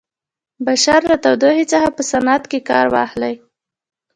بشر له تودوخې څخه په صنعت کې کار واخلي.